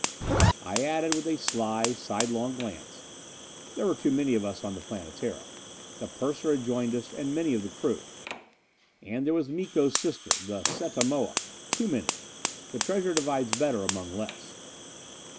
I added with a sly, sidelong glance, "There were too many of us on the Planetara. The purser had joined us, and many of the crew. And there was Miko's sister, the Setta Moa too many. The treasure divides better among less."